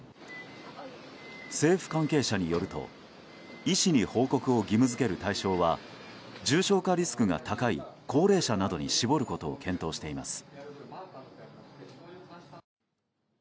政府関係者によると医師に報告を義務付ける対象は重症化リスクが高い高齢者などに絞ることを検討しています。